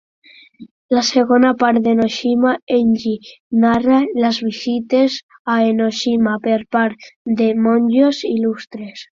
La segona part d'"Enoshima Engi" narra les visites a Enoshima per part de monjos il·lustres.